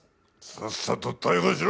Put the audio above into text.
さっさと逮捕しろ！